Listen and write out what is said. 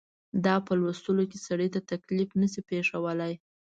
دا په لوستلو کې سړي ته تکلیف نه شي پېښولای.